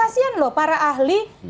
kasian loh para ahli